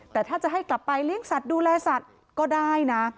แต่ถ้าจะให้กลับไปเลี้ยงสัตว์ดูแลสัตว์ก็ได้นะ